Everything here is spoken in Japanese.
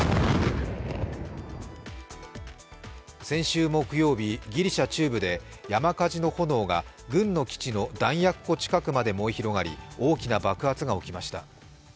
先週木曜日、ギリシャ中部で山火事の炎が軍の基地の弾薬庫近くまで燃え広がり、大きな爆発が起きました。